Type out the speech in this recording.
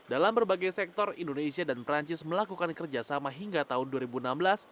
dalam berbagai sektor indonesia dan perancis melakukan penanaman modal asing atau pma